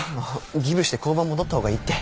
ギブして交番戻った方がいいって。